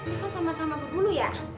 ini kan sama sama berbulu ya